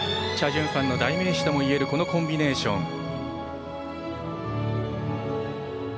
チャ・ジュンファンの代名詞ともいえるこのコンビネーション。